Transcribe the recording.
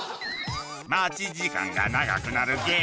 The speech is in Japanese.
待ち時間が長くなる原因